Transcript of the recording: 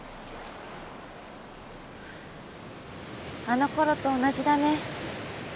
あのころと同じだね。